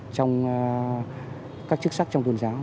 trong các chức sắc trong tôn giáo